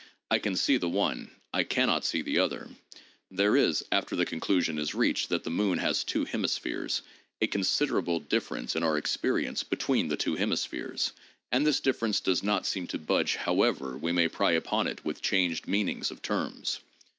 I can see the one; I can not see the other. ... There is, after the conclusion is reached that the moon has two hemispheres, a con siderable difference in our experience between the two hemispheres, and this difference does not seem to budge however we may pry upon it with changed meanings of" terms.